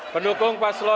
pendukung paslon dua